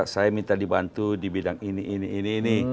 saya minta dibantu di bidang ini ini ini